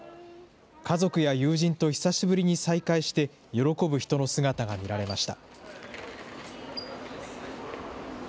家族や友人と久しぶりに再会して、喜ぶ人の姿が見られました。